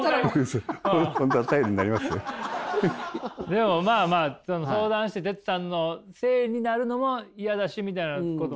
でもまあまあ相談してテツさんのせいになるのも嫌だしみたいなこと。